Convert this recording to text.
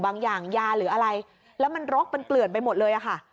มีบางอย่างยาหรืออะไรแล้วมันโรคเป็นเปลือกไปหมดเลย